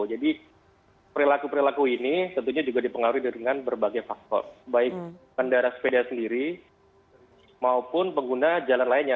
jadi perilaku perilaku ini tentunya juga dipengaruhi dengan berbagai faktor baik pengendara sepeda sendiri maupun pengguna jalan lainnya